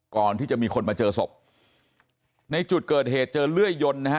ก่อนที่จะมีคนมาเจอศพในจุดเกิดเหตุเจอเลื่อยยนต์นะฮะ